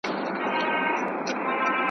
بس یا مو سېل یا مو توپان ولیدی .